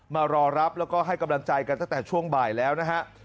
มารอรับแล้วก็ให้กำลังใจกันตั้งแต่ช่วงบ่ายแล้วนะฮะ